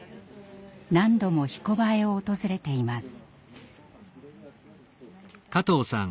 何度も「ひこばえ」を訪れています。